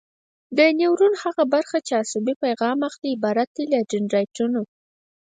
د نیورون هغه برخه چې عصبي پیغام اخلي عبارت دی له دندرایتونو.